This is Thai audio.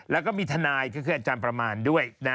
แล้วก็มีทนายก็คืออาจารย์ประมาณด้วยนะ